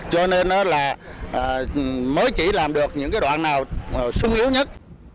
cho nên nó là mới chỉ làm được những cái đoạn nào xuất yếu nhất